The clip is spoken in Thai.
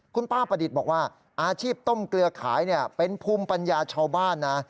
คุณป้าประดิษฐ์บอกว่าอาชีพต้มเกลือขายเป็นภูมิปัญญาชาวบ้านนะ